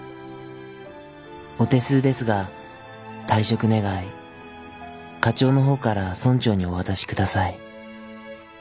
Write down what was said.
お手数ですが退職願課長のほうから村長にお渡しください。